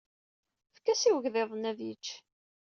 Efk-as i wegḍiḍ-nni ad yečč.